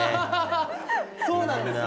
そうなんですね。